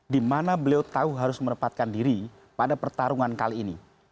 di mana beliau tahu harus merepatkan diri pada pertarungan kali ini